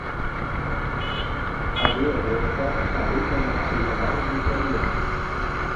Але гэта агульнанацыянальны праект.